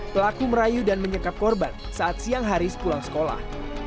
pelaku merayu dan menyekap korban saat siang hari pulang sekolah